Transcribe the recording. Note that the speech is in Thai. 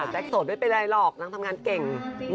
โสดไม่เป็นไรหรอกนางทำงานเก่ง